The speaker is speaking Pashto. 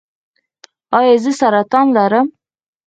ایا زه سرطان لرم؟